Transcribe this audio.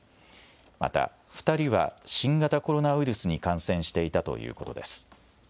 また２人は新型コロナウイルスに感染していたということです。